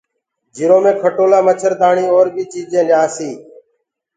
جِرو مي کٽولآ مڇردآڻيٚ اور بيٚ چيٚجينٚ ليآسيٚ